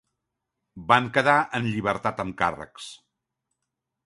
Van quedar en llibertat amb càrrecs.